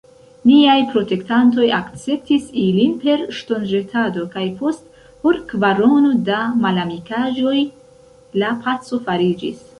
Niaj protektantoj akceptis ilin per ŝtonĵetado, kaj post horkvarono da malamikaĵoj, la paco fariĝis.